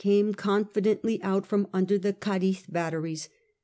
came confidently out from under the Cadiz batteries.